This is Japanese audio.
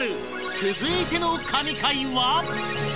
続いての神回は